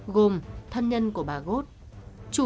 gồm thân nhân của bà gốt